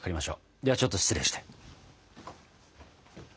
ではちょっと失礼して。